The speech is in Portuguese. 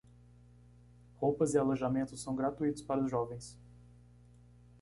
Roupas e alojamentos são gratuitos para os jovens.